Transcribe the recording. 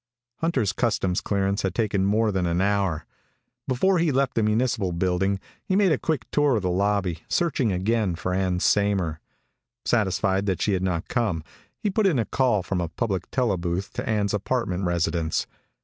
Hunter's customs clearance had taken more than an hour. Before he left the municipal building, he made a quick tour of the lobby, searching again for Ann Saymer. Satisfied that she had not come, he put in a call from a public tele booth to Ann's apartment residence.